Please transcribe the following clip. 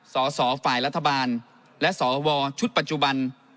สสฝ่ายรัฐบาลและสวชุดปัจจุบัน